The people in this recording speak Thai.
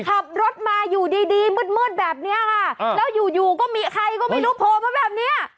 ขับรถมาอยู่ดีดีมืดมืดแบบนี้ค่ะแล้วอยู่อยู่ก็มีใครก็ไม่รู้โผล่มาแบบเนี้ย